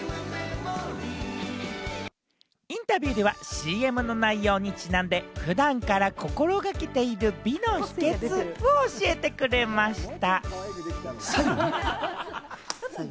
インタビューではＣＭの内容にちなんで普段から心掛けている美の秘訣を教えてくれました。